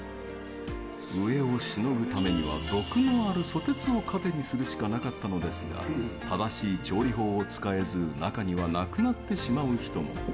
飢えをしのぐためには毒のあるソテツを糧にするしかなかったのですが正しい調理法を使えず中には亡くなってしまう人も。